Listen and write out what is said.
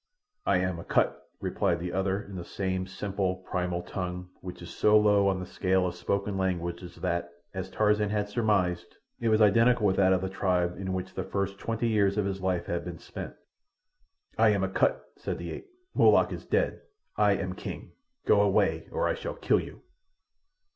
"I am Akut," replied the other in the same simple, primal tongue which is so low in the scale of spoken languages that, as Tarzan had surmised, it was identical with that of the tribe in which the first twenty years of his life had been spent. "I am Akut," said the ape. "Molak is dead. I am king. Go away or I shall kill you!"